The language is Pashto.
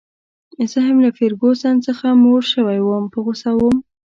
زه هم له فرګوسن څخه موړ شوی وم، په غوسه وم.